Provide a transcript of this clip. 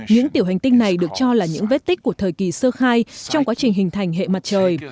những tiểu hành tinh này được cho là những vết tích của thời kỳ sơ khai trong quá trình hình thành hệ mặt trời